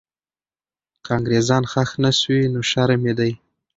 که انګریزان ښخ نه سوي، نو شرم یې دی.